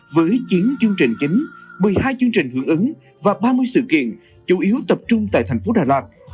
với chín chương trình chính một mươi hai chương trình hưởng ứng và ba mươi sự kiện chủ yếu tập trung tại thành phố đà lạt